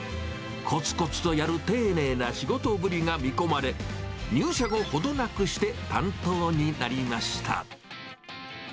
こつこつとやる丁寧な仕事ぶりが見込まれ、入社後、程なくして、担当になりました。